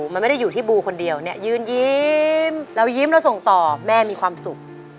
มันไม่ได้อยู่ที่บูคนเดียวเนี่ยยืนยิ้มเรายิ้มเราส่งต่อแม่มีความสุข